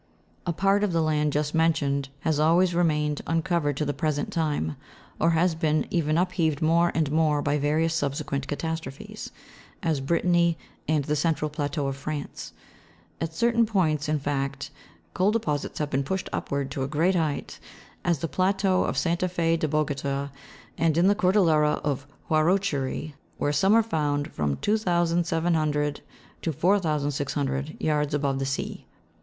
A part of the land just mentioned has always remained unco vered to the present time, or has been even upheaved more and more by various subsequent catastrophes, as Brittany and the cen tral plateau of France. At certain points, in fact, coal deposits have been pushed upwards to a great height, as the plateau of Santa Fe de Bogota, and in the Cordillera of Huarochiri, where some are found from 2700 to 4000 yards above the sea.